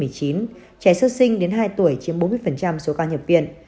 trẻ sơ sinh đến hai tuổi chiếm bốn mươi số ca nhập viện